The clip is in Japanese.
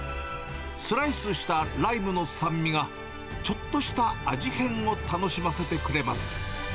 スライスしたライムの酸味が、ちょっとした味変を楽しませてくれます。